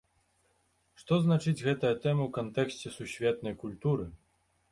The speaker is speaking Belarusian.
Што значыць гэтая тэма ў кантэксце сусветнай культуры?!